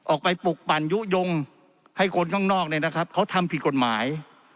ออกไปปลุกปั่นยุโยงให้คนข้างนอกเนี่ยนะครับเขาทำผิดกฎหมาย